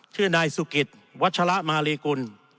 ชื่อนายสุกิตวัชละมาลีกุล